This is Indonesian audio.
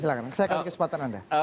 saya kasih kesempatan anda